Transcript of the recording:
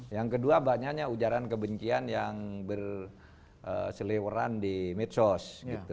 yang kedua banyaknya ujaran kebencian yang berseliweran di medsos